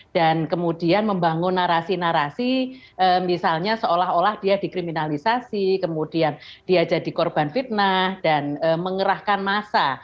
dan kemudian membangun narasi narasi misalnya seolah olah dia dikriminalisasi kemudian dia jadi korban fitnah dan mengerahkan masa